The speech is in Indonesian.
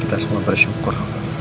kita semua bersyukur